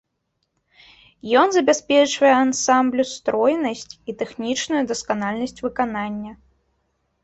Ён забяспечвае ансамблю стройнасць і тэхнічную дасканаласць выканання.